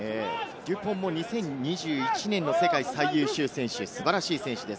デュポンも２０２１年の世界最優秀選手、素晴らしい選手です。